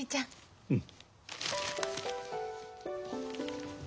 うん。